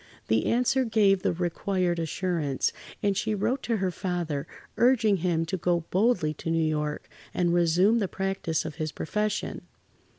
The answer gave the required assurance, and she wrote to her father, urging him to go boldly to New York and resume the practice of his profession.